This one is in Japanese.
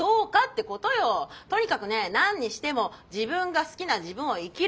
とにかくね何にしても自分が好きな自分を生きる。